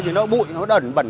thì nó bụi nó đẩn bẩn